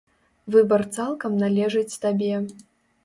Выбар цалкам належыць табе.